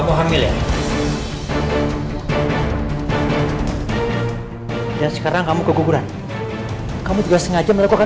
bayi yang ada di dalam kandungan bu lady tidak bisa diselamatkan